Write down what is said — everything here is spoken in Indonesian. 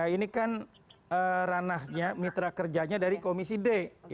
ini kan ranahnya mitra kerjanya dari komisi d